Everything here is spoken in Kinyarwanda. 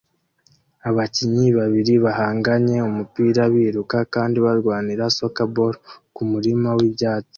Abakinnyi babiri bahanganye umupira biruka kandi barwanira soocerball kumurima wibyatsi